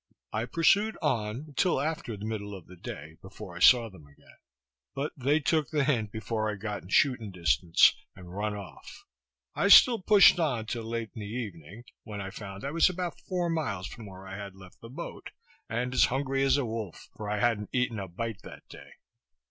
I pursued on till after the middle of the day before I saw them again; but they took the hint before I got in shooting distance, and run off. I still pushed on till late in the evening, when I found I was about four miles from where I had left the boat, and as hungry as a wolf, for I hadn't eaten a bite that day.